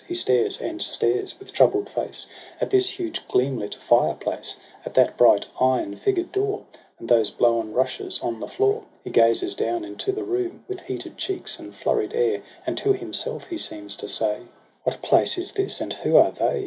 He stares and stares, with troubled face, At this huge, gleam lit fireplace, At that bright, iron figured door. And those blown rushes on the floor. He gazes down into the room With heated cheeks and flurried air. And to himself he seems to say: ' What place is this, and who are they?